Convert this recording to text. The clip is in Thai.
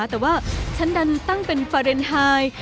แต่ว่าฉันดันตั้งเป็นฟาเรนไฮ